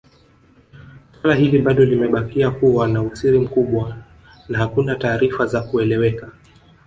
Swala hili bado limebakia kuwa na usiri mkubwa na hakuna taarifa za kueleweka